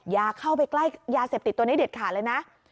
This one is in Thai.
อย่าเข้าไปใกล้ยาเสพติดตัวนี้เด็ดขาดเลยนะ